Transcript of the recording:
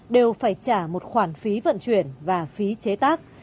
đều phải trả một khoản phí vận chuyển và phí chế tác